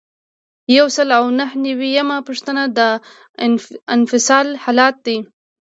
یو سل او نهه نوي یمه پوښتنه د انفصال حالت دی.